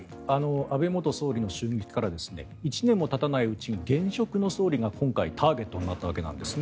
安倍元総理の襲撃から１年もたたないうちに現職の総理が今回ターゲットになったわけです。